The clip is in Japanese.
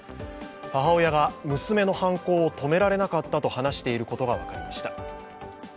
母親が娘の犯行を止められなかったと話していることが分かりました。